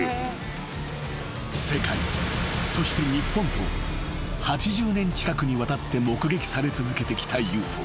［世界そして日本と８０年近くにわたって目撃され続けてきたＵＦＯ］